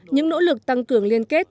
những nỗ lực tăng cường liên kết